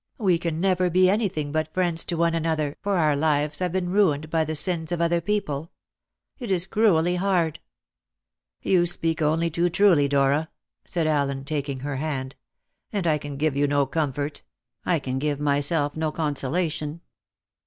We can never be anything but friends to one another, for our lives have been ruined by the sins of other people. It is cruelly hard." "You speak only too truly, Dora," said Allen, taking her hand. "And I can give you no comfort; I can give myself no consolation.